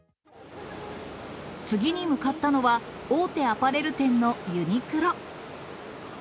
次に向かったのは、大手アパレル店のユニクロ。